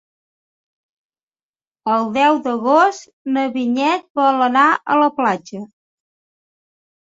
El deu d'agost na Vinyet vol anar a la platja.